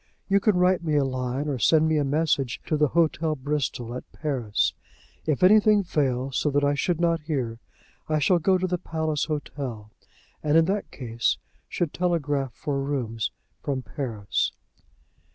You can write me a line, or send me a message to the Hotel Bristol, at Paris. If anything fails, so that I should not hear, I shall go to the Palace Hotel; and, in that case, should telegraph for rooms from Paris."